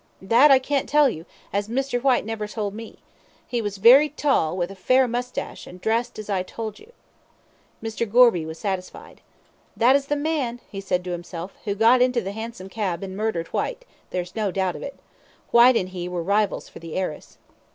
"That I can't tell you, as Mr. Whyte never told me. He was very tall, with a fair moustache, an' dressed as I told you." Mr. Gorby was satisfied. "That is the man," he said to himself, "who got into the hansom cab, and murdered Whyte; there's no doubt of it! Whyte and he were rivals for the heiress."